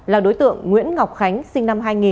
là đối tượng nguyễn ngọc khánh sinh năm hai nghìn